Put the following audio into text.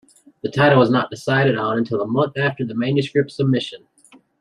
The title was not decided on until a month after the manuscript's submission.